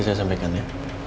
saya sampaikan ya